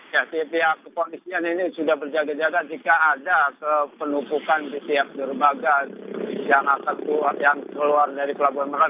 ya si pihak kepolisian ini sudah berjaga jaga jika ada penumpukan di setiap derbaga yang keluar dari pelabuhan merak